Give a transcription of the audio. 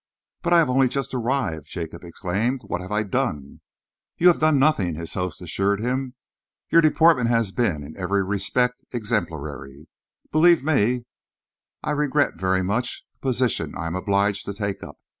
"But I have only just arrived!" Jacob exclaimed. "What have I done?" "You have done nothing," his host assured him. "Your deportment has been in every respect exemplary, and believe me I regret very much the position I am obliged to take up.